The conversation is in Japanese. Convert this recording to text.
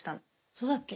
そうだっけ？